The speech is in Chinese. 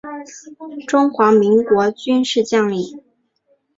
中华民国军事将领。